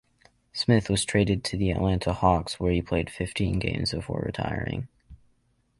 Smith was traded to the Atlanta Hawks, where he played fifteen games before retiring.